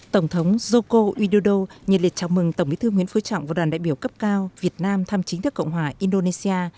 tổng thống joko widodo nhận lịch chào mừng tổng bí thư nguyễn phú trọng và đoàn đại biểu cấp cao việt nam tham chính thế cộng hòa indonesia